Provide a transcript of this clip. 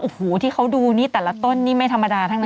โอ้โหที่เขาดูนี่แต่ละต้นนี่ไม่ธรรมดาทั้งนั้น